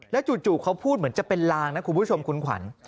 จู่เขาพูดเหมือนจะเป็นลางนะคุณผู้ชมคุณขวัญ